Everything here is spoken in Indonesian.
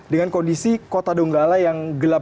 dengan kondisi kota donggala yang gelap